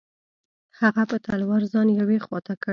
هغه په تلوار ځان یوې خوا ته کړ.